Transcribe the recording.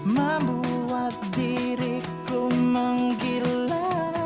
membuat diriku menggila